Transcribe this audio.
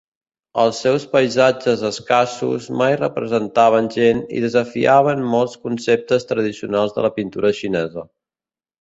Els seus paisatges escassos mai representaven gent i desafiaven molts conceptes tradicionals de la pintura xinesa.